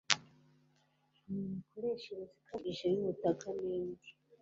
n imikoreshereze ikabije y ubutaka n indi